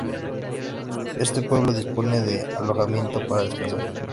Este pueblo dispone de alojamiento para descansar.